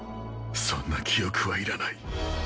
そんな記憶はいらない。